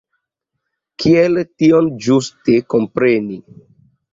Kiel tion ĝuste kompreni?